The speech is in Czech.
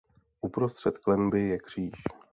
Uprostřed klenby je kříž.